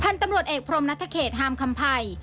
พัฒน์ตำรวจเอกพรหมณัฐเขตห้ามคำไพร